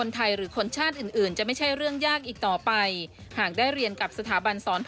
ติดตามได้จากรายงาน